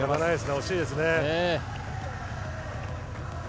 惜しいですね。